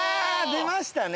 出ましたね。